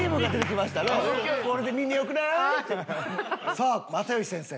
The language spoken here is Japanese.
さあ又吉先生。